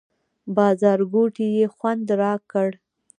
بازارګوټي یې خوند راکړ.